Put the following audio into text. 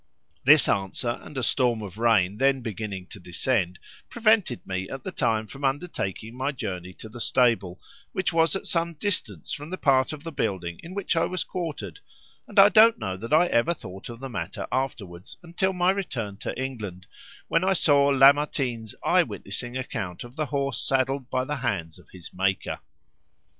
This answer, and a storm of rain then beginning to descend, prevented me at the time from undertaking my journey to the stable, which was at some distance from the part of the building in which I was quartered, and I don't know that I ever thought of the matter afterwards until my return to England, when I saw Lamartine's eye witnessing account of the horse saddled by the hands of his Maker!